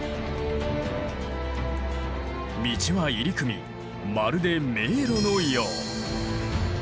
道は入り組みまるで迷路のよう。